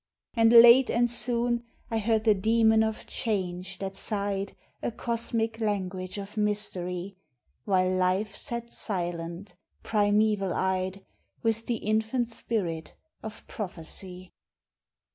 And late and soon I heard the dæmon of change that sighed A cosmic language of mystery; While life sat silent, primeval eyed, With the infant spirit of prophecy.